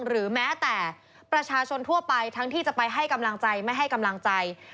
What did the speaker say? หรือแม้แต่ประชาชนทั่วไปทั้งที่จะไปให้กำลังใจไม่ให้กำลังใจ